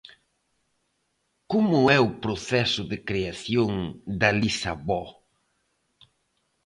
Como é o proceso de creación de Lisabó?